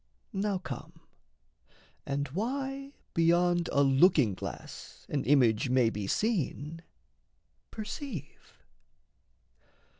Now come, and why beyond a looking glass An image may be seen, perceive.